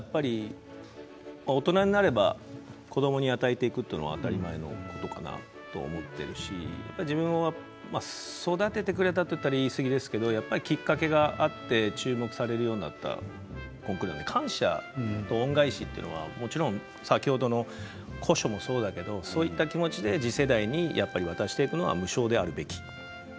大人になれば子どもに与えていくのは当たり前のことかなと思っているし自分は育ててくれたといえば言いすぎかもしれませんけれどもきっかけがあって注目されたコンクールなので感謝、恩返しというのはもちろん先ほどの古書もそうだけどそういった気持ちで次世代に渡していくのが無償であるべき。